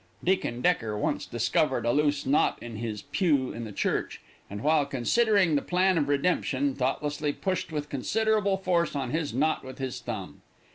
"Deacon Decker once discovered a loose knot in his pew seat in church, and while considering the plan of redemption, thoughtlessly pushed with considerable force on this knot with his thumb.